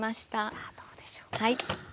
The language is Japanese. さあどうでしょうか？